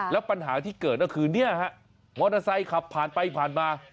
แล้วปัญหาที่เกิดก็คือเนี่ยฮะมอเตอร์ไซค์ขับผ่านไปผ่านมา